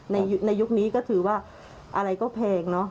ในยุคนี้ก็ถือว่าอะไรก็แพงเนอะ